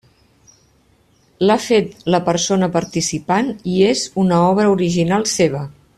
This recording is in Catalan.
L'ha fet la persona participant i és una obra original seva.